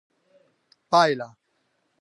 پایله: